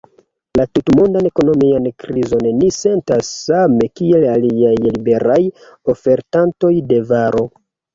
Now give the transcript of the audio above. La tutmondan ekonomian krizon ni sentas same kiel aliaj liberaj ofertantoj de varo.